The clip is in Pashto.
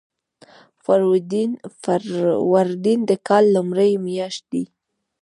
فروردین د کال لومړۍ میاشت ده.